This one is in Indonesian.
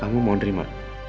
kamu mau nerima